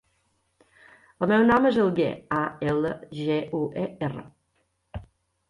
El meu nom és Alguer: a, ela, ge, u, e, erra.